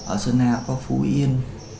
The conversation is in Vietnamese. ở sơn la có phú yên